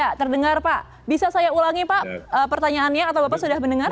ya terdengar pak bisa saya ulangi pak pertanyaannya atau bapak sudah mendengar